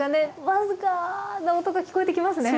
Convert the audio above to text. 僅かな音が聞こえてきますね！